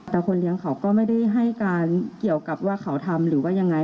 แต่คนเลี้ยงเขาก็ไม่ได้ให้การเกี่ยวกับว่าเขาทำหรือว่ายังไง